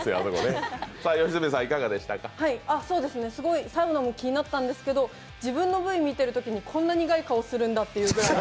すごいサウナも気になったんですけど自分のＶ見てるときこんな苦い顔するんだってくらい。